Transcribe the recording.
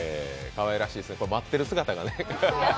かわいらしいですよね、待ってる姿が。